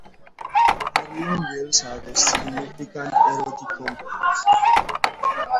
Her novels have a significant erotic component.